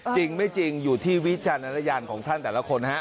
จริงไม่จริงอยู่ที่วิจารณญาณของท่านแต่ละคนฮะ